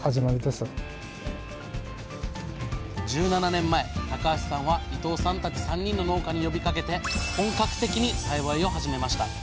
１７年前高橋さんは伊藤さんたち３人の農家に呼びかけて本格的に栽培を始めました。